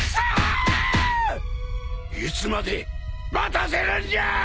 いつまで待たせるんじゃ！